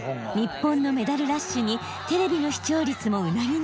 日本のメダルラッシュにテレビの視聴率もうなぎ登り。